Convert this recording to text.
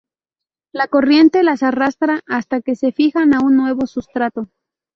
La corriente las arrastra hasta que se fijan a un nuevo sustrato.